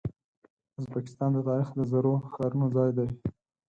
ازبکستان د تاریخ د زرو ښارونو ځای دی.